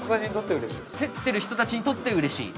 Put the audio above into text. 競っている人にとってうれしい？